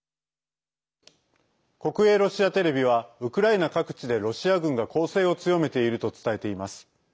国営ロシアテレビはウクライナ各地でロシア軍が攻勢を強めていると伝えています。